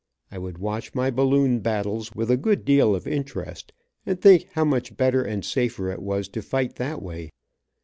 I would watch my balloon battles with a good deal of interest, and think how much better and safer it was to fight that way.